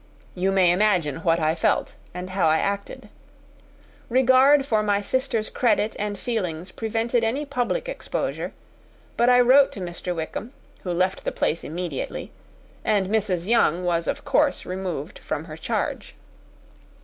You may imagine what I felt and how I acted. Regard for my sister's credit and feelings prevented any public exposure; but I wrote to Mr. Wickham, who left the place immediately, and Mrs. Younge was of course removed from her charge.